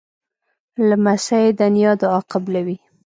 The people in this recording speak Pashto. لمسی د نیا دعا قبلوي.